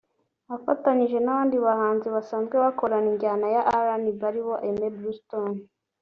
afatanyije n'abandi bahanzi basanzwe bakora injyana ya RnB ari bo; Aime Bluestone